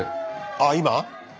あっ今？